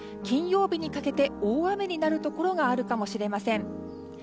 金曜日にかけて大雨になるところがあるかもしれません。